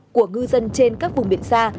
của ngư dân trên các vùng biển xa